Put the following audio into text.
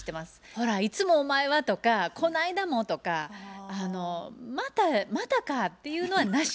「ほらいつもお前は」とか「こないだも」とかあの「またか」っていうのはなし。